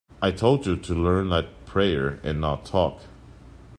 I told you to learn that prayer and not talk.